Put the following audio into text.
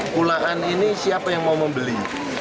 pulaan ini siapa yang mau membeli